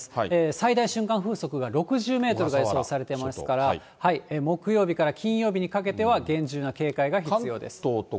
最大瞬間風速が６０メートルが予測されてますから、木曜日から金曜日にかけては厳重な警戒が必要です。